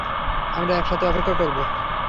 আমরা একসাথে অপেক্ষা করব।